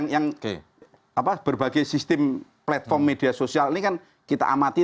yang berbagai sistem platform media sosial ini kan kita amati